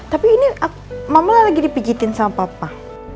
tapi ini mama lagi dipijitin sama papa